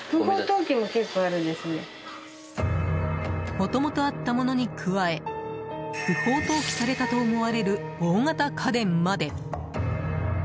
もともとあったものに加え不法投棄されたと思われる大型家電まで。